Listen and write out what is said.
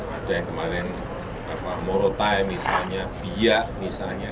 ada yang kemarin morotai misalnya biak misalnya